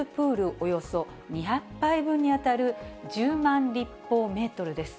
およそ２００杯分に当たる１０万立方メートルです。